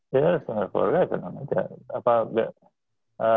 ya respon dari keluarga tenang aja